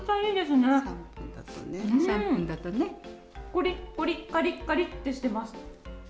コリコリ、カリカリしてます。